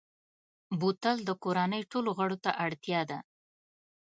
بوتل د کورنۍ ټولو غړو ته اړتیا ده.